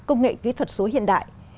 công nghệ kỹ thuật số hiện đại